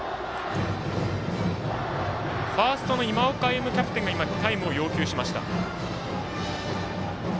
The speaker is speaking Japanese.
ファーストの今岡歩夢キャプテンが今、タイムを要求しました。